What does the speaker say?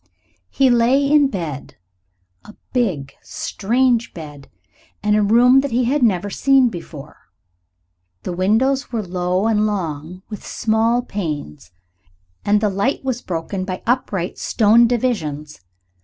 He lay in bed a big, strange bed in a room that he had never seen before. The windows were low and long, with small panes, and the light was broken by upright stone divisions.